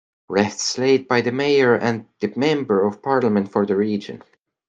Wreaths laid by the mayor and the member of parliament for the region.